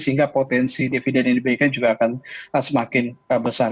sehingga potensi dividen yang diberikan juga akan semakin besar